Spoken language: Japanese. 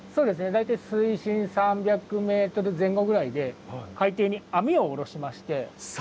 大体水深３００ｍ前後ぐらいで海底に網を下ろしまして。